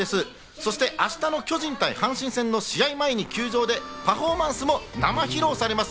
そして明日の巨人対阪神戦の試合前に球場でパフォーマンスを生披露されます。